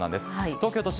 東京都心